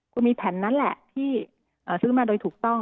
คุณมีแผนนั้นแหละที่ซื้อมาโดยถูกต้อง